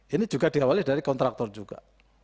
ini juga diawali dari kontraktor juga